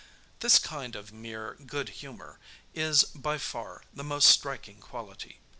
This kind of mere good humor is, by far, the most striking quality.